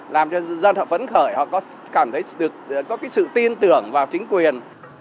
làm cho dân họ phấn khởi họ có cảm thấy được có cái sự tin tưởng vào chính quyền